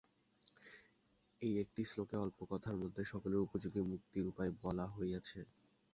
এই একটি শ্লোকে অল্প কথার মধ্যে সকলের উপযোগী মুক্তির উপায় বলা হইয়াছে।